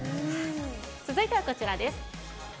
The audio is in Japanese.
続いてはこちらです。